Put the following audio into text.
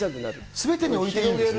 すべてにおいていいんですね。